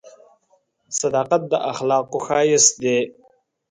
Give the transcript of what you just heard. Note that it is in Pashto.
• صداقت د اخلاقو ښایست دی.